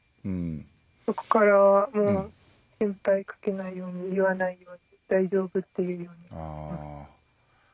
そこからは心配かけないように言わないように大丈夫って言いました。